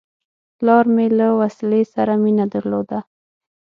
پلار مې له وسلې سره مینه درلوده.